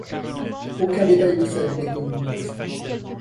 Aucun détail de sa vie n’est connu pour l’instant.